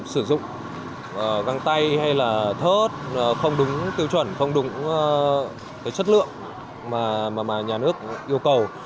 sử dụng găng tay hay là thớt không đúng tiêu chuẩn không đúng chất lượng mà nhà nước yêu cầu